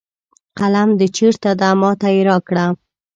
قلم د چېرته ده ما ته یې راکړه